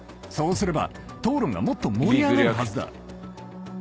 そうすれば討論がもっと盛り上がるはずだ。